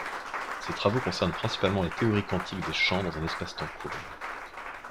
Ses travaux concernent principalement la théorie quantique des champs dans un espace-temps courbe.